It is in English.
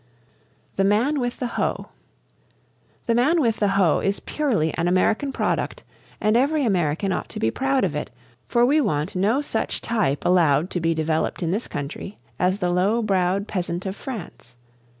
THE MAN WITH THE HOE. "The Man With the Hoe" is purely an American product, and every American ought to be proud of it, for we want no such type allowed to be developed in this country as the low browed peasant of France.